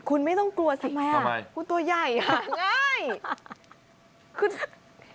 คุณไม่ต้องกลัวคุณตัวใหญ่ค่ะ